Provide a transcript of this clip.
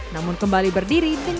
namun kembali berdiri dengan berdiri